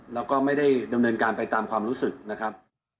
แล้วก็ไม่ได้ดำเนินการไปตามความรู้สึกนะครับ